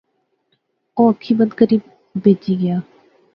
او اکھی بند کری بہجی گیا